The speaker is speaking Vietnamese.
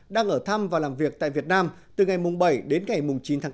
đang ở thăm và làm việc tại việt nam từ ngày bảy đến ngày chín tháng tám